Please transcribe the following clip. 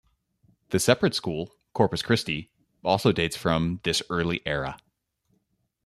The separate school, Corpus Christi, also dates from this early era.